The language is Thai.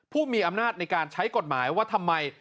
ผู้มีอำนาจในการใช้กฎหมายว่าทำไม